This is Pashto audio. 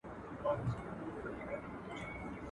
وده ترنم درته کوم درمان